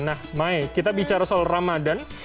nah mae kita bicara soal ramadan